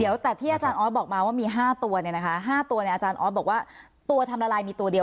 เดี๋ยวแต่ที่อาจารย์ออสบอกมาว่ามี๕ตัวเนี่ยนะคะ๕ตัวเนี่ยอาจารย์ออสบอกว่าตัวทำละลายมีตัวเดียว